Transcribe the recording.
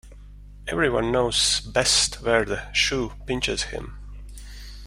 Every one knows best where the shoe pinches him.